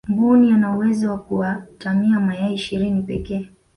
mbuni ana uwezo wa kuatamia mayai ishirini pekee